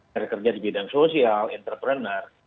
kerja kerja di bidang sosial entrepreneur